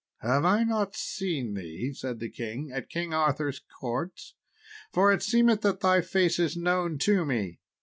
"Have I not seen thee," said the king, "at King Arthur's court? for it seemeth that thy face is known to me."